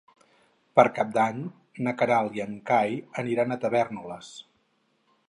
Per Cap d'Any na Queralt i en Cai aniran a Tavèrnoles.